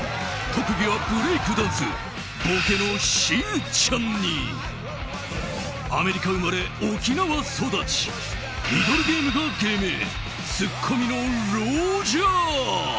特技はブレイクダンスボケのしんちゃんにアメリカ生まれ沖縄育ちミドルネームが芸名ツッコミのロジャー。